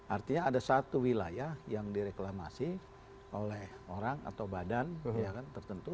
artinya ada satu wilayah yang direklamasi oleh orang atau badan tertentu